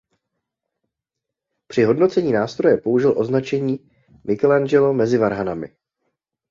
Při hodnocení nástroje použil označení „Michelangelo mezi varhanami“.